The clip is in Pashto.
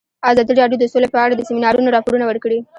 ازادي راډیو د سوله په اړه د سیمینارونو راپورونه ورکړي.